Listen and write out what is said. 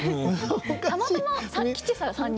たまたま吉三３人。